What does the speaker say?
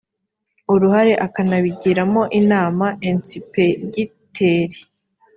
uruhare akanabigiramo inama ensipegiteri